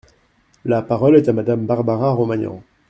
La parole est à Madame Barbara Romagnan.